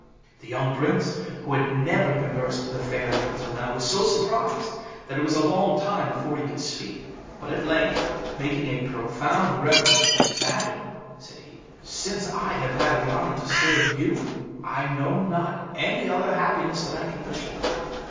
The young prince, who had never conversed with a fairy till now, was so surprised that it was a long time before he could speak. But at length, making a profound reverence, "Madam," said he, "since I have had the honour to serve you, I know not any other happiness that I can wish for."